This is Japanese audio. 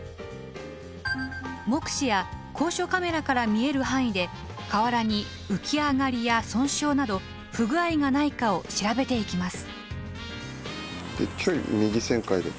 目視や高所カメラから見える範囲で瓦に浮き上がりや損傷など不具合がないかを調べていきます。